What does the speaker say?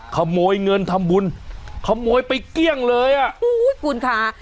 ขโมยเงินทำบุญขโมยไปเกลี้ยงเลยอ่ะอุ้ยคุณค่ะ